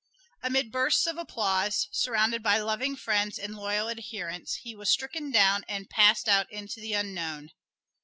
Amid bursts of applause, surrounded by loving friends and loyal adherents, he was stricken down and passed out into the Unknown.